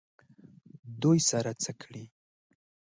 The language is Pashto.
دوی سره څه کړي؟